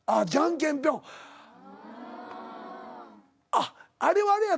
あっあれはあれやろ？